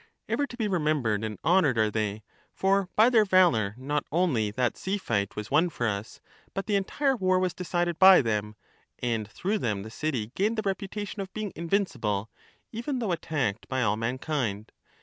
Ever to be remembered and honoured are they, for by their valour not only that sea fight was won for us, but the entire war was decided by them, and through them the city gained the reputation of being invincible, even though attacked by all mankind.